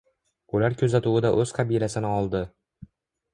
Ular kuzatuvida o’z qabilasini oldi.